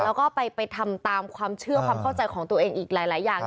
แล้วก็ไปทำตามความเชื่อความเข้าใจของตัวเองอีกหลายอย่าง